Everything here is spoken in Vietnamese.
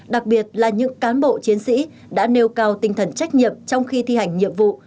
đặc biệt là những cán bộ chiến sĩ đã nêu cao tinh thần trách nhiệm trong khi thi hành nhiệm vụ